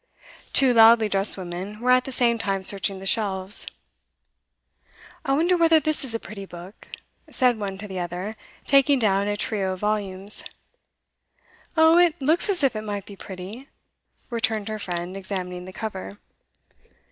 Two loudly dressed women were at the same time searching the shelves. 'I wonder whether this is a pretty book?' said one to the other, taking down a trio of volumes. 'Oh, it looks as if it might be pretty,' returned her friend, examining the cover.